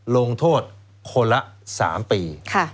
ลงโทษคนละ๓ปี